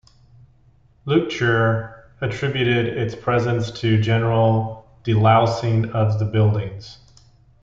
Leuchter attributed its presence to general delousing of the buildings.